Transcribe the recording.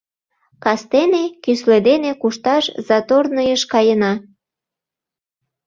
— Кастене кӱсле дене кушташ заторныйыш каена.